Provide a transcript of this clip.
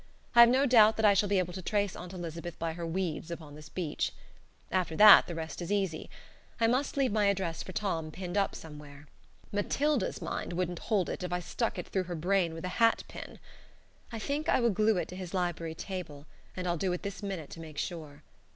I have no doubt that I shall be able to trace Aunt Elizabeth by her weeds upon this beach. After that the rest is easy. I must leave my address for Tom pinned up somewhere. Matilda's mind wouldn't hold it if I stuck it through her brain with a hat pin. I think I will glue it to his library table, and I'll do it this minute to make sure....